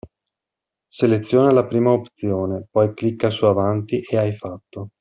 Seleziona la prima opzione, poi clicca su avanti e hai fatto.